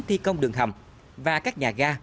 thi công đường hầm và các nhà ga